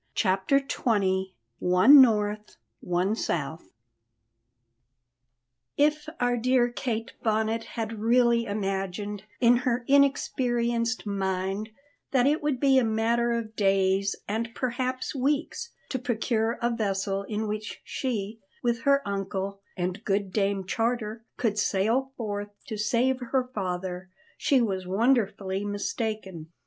CHAPTER XX ONE NORTH, ONE SOUTH If our dear Kate Bonnet had really imagined, in her inexperienced mind, that it would be a matter of days, and perhaps weeks, to procure a vessel in which she, with her uncle and good Dame Charter, could sail forth to save her father, she was wonderfully mistaken.